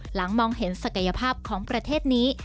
มองเห็นศักยภาพของประเทศนี้